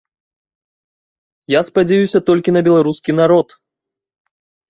Я спадзяюся толькі на беларускі народ.